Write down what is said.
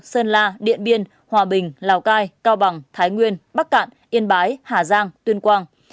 sơn la điện biên hòa bình lào cai cao bằng thái nguyên bắc cạn yên bái hà giang tuyên quang